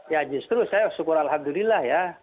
ya justru saya syukur alhamdulillah ya